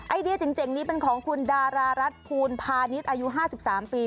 ไอเดียเจ๋งนี้เป็นของคุณดารารัฐภูลพาณิชย์อายุ๕๓ปี